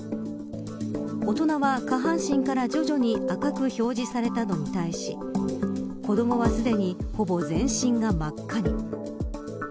大人は下半身から徐々に赤く表示されたのに対し子どもはすでにほぼ全身が真っ赤に。